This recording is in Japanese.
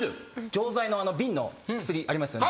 錠剤の瓶の薬ありますよね。